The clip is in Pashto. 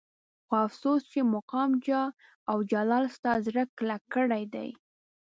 خو افسوس چې مقام جاه او جلال ستا زړه کلک کړی دی.